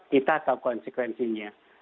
kita tahu konsekuensinya